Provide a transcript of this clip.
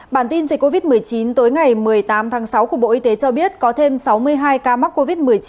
bản tin dịch covid một mươi chín tối ngày một mươi tám tháng sáu của bộ y tế cho biết có thêm sáu mươi hai ca mắc covid một mươi chín